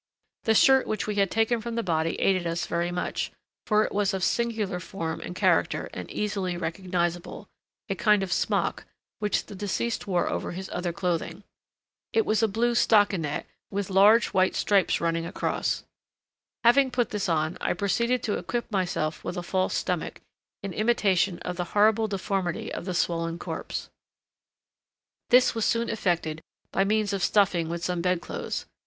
The shirt which we had taken from the body aided us very much, for it was of singular form and character, and easily recognizable—a kind of smock, which the deceased wore over his other clothing. It was a blue stockinett, with large white stripes running across. Having put this on, I proceeded to equip myself with a false stomach, in imitation of the horrible deformity of the swollen corpse. This was soon effected by means of stuffing with some bedclothes.